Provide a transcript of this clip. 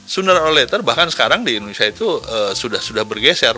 sooner or later bahkan sekarang di indonesia itu sudah bergeser